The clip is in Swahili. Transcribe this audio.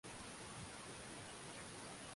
Maana yake kubarikiwa.